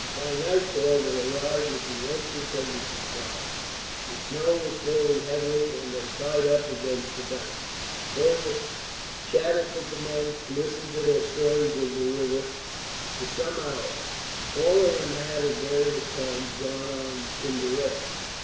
By nightfall they arrived at the entrance of the defile. The snow was falling heavily, and they tied up against the bank. Fergus chatted with the men, and listened to their stories of the river, for some hours. All of them had, at various times, gone on timber rafts.